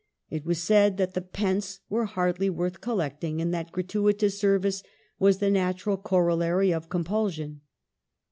It was said that the *' pence " were hardly worth collecting, and that gratuitous sei vice was the natural corollary of compulsion.